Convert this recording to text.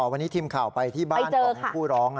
วันนี้ทีมข่าวไปที่บ้านของผู้ร้อง